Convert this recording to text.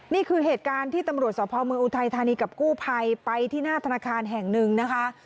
นี่คือเหตุการณ์ที่ตำรวจสภเมืองอุทัยธานีกับกู้ภัยไปที่หน้าธนาคารแห่งหนึ่งนะคะ